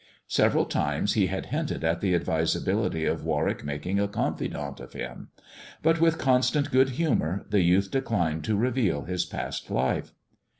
Several times he had hinted at the advisabiHty of Warwick making a confidant of him ; but with constant good humour the youth declined to reveal his past life.